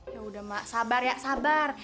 yaudah mak sabar ya sabar